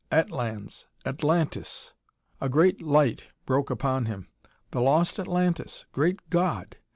"Atlans, Atlantis!" A great light broke upon him. "The lost Atlantis! Great God!"